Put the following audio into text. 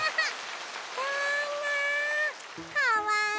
かわいい。